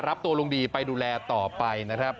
รับตัวลุงดีไปดูแลต่อไปนะครับ